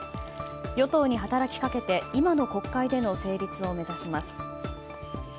与党に働きかけて今の国会での成立を目指します。